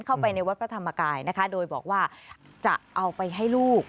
เข้าไปในวัดพระธรรมกายนะคะโดยบอกว่าจะเอาไปให้ลูก